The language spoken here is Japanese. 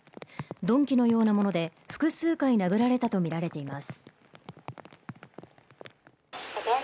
鈍器のようなもので複数回殴られたとみられています。